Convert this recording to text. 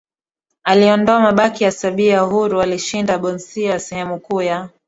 aliondoa mabaki ya Serbia huru alishinda Bosnia sehemu kuu ya